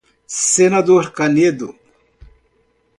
Senador Canedo